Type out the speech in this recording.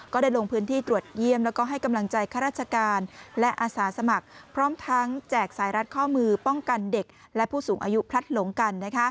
ก็ได้ลงพื้นที่ตรวจเยี่ยมแล้วก็ให้กำลังใจข้าราชการและอาสาสมัครพร้อมทั้งแจกสายรัดข้อมือป้องกันเด็กและผู้สูงอายุพลัดหลงกัน